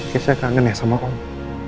keisha gak ngenes sama kamu